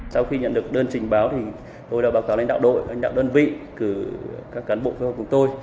sau khi nhận được đơn trình báo tôi đã báo cáo lãnh đạo đội lãnh đạo đơn vị các cán bộ phía hội của tôi